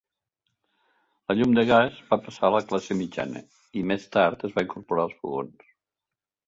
La llum de gas va passar a la classe mitjana i, més tard, es van incorporar els fogons.